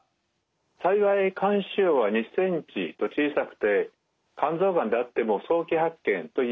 幸い肝腫瘍は２ｃｍと小さくて肝臓がんであっても早期発見といえるでしょうね。